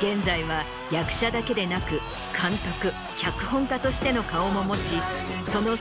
現在は役者だけでなく監督脚本家としての顔も持ちその。